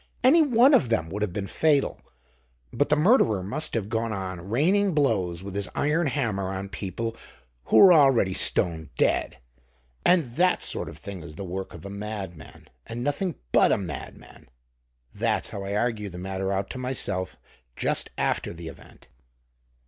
Any one of them would have been fatal, but the murderer must have gone on raining blows with his iron hammer on people who were already stone dead. And that sort of thing is the work of a madman, and nothing but a madman. That's how I argued the matter out to myself just after the event.